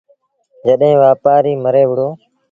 جڏهيݩ وآپآريٚ مري وهُڙو